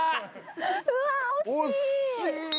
うわ惜しい。